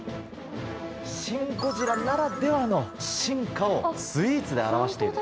『シン・ゴジラ』ならではの進化をスイーツで表している。